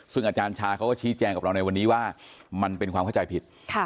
ซึ่งอาจารย์ชาเขาก็ชี้แจงกับเราในวันนี้ว่ามันเป็นความเข้าใจผิด